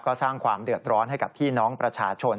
ก็สร้างความเดือดร้อนให้กับพี่น้องประชาชน